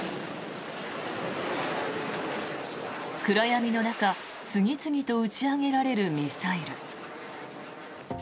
暗闇の中、次々と打ち上げられるミサイル。